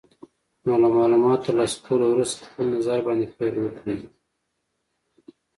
نو له مالوماتو تر لاسه کولو وروسته خپل نظر باندې پیل وکړئ.